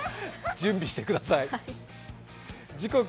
準備してください。